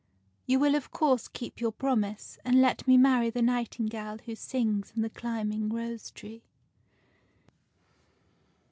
You will of course keep your promise, and let me marry the nightingale who sings in the climbing rose tree."